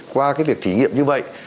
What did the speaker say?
qua cái việc thí nghiệm như vậy